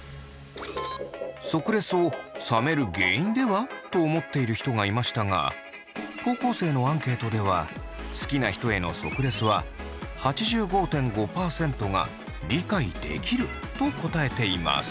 即レスを冷める原因では？と思っている人がいましたが高校生のアンケートでは好きな人への即レスは８５．５％が理解できると答えています。